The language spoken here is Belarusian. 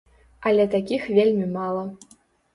Але такіх вельмі мала.